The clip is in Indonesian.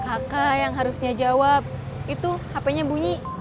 kaka yang harusnya jawab itu hapenya bunyi